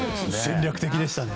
戦略的でしたね。